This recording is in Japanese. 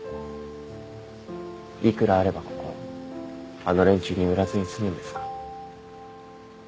幾らあればここをあの連中に売らずに済むんですか？